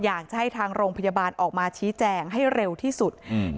อยากจะให้ทางโรงพยาบาลออกมาชี้แจงให้เร็วที่สุดอืม